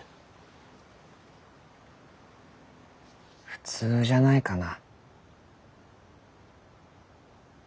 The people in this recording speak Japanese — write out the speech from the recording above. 普通じゃないかな。